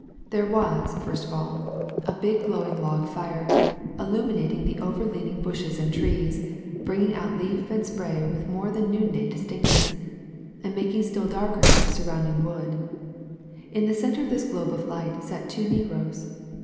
There was, first of all, a big, glowing log fire, illuminating the overleaning bushes and trees, bringing out leaf and spray with more than noonday distinctness, and making still darker the surrounding wood. In the center of this globe of light sat two negroes.